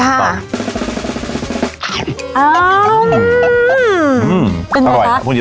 เค้าต้องอือแยะนะค่ะ